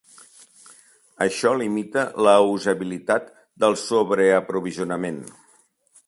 Això limita la usabilitat del sobreaprovisionament.